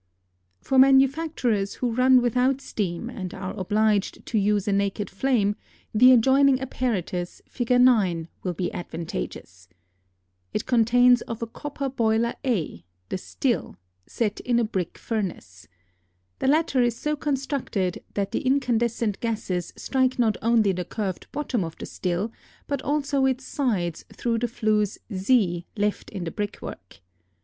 For manufacturers who run without steam and are obliged to use a naked flame, the adjoining apparatus (Fig. 9) will be advantageous. It consists of a copper boiler A, the still, set in a brick furnace. The latter is so constructed that the incandescent gases strike not only the curved bottom of the still, but also its sides through the flues Z left in the brickwork.